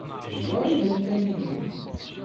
D wa ay d amkan-inu.